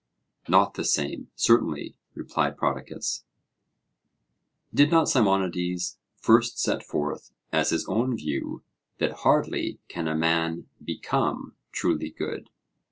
Not the same, certainly, replied Prodicus. Did not Simonides first set forth, as his own view, that 'Hardly can a man become truly good'?